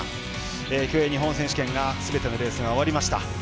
競泳日本選手権すべてのレースが終わりました。